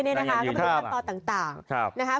ก็ไปดูทางตอนต่าง